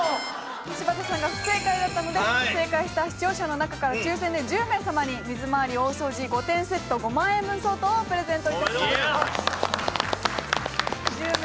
柴田さんが不正解だったので正解した視聴者の中から抽選で１０名様に水回り大掃除５点セット５万円分相当をプレゼント致します。